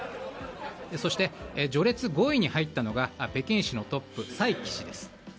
そして序列５位に入ったのが北京市のトップ、サイ・キ氏です。